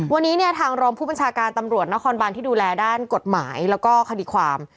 วันนี้เนี่ยทางรองผู้บัญชาการตำรวจนครบานที่ดูแลด้านกฎหมายแล้วก็คดีความ